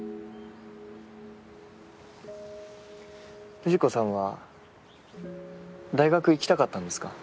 藤子さんは大学行きたかったんですか？